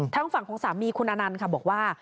ทางฝั่งของสามีคุณอนันต์ค่ะบอกว่า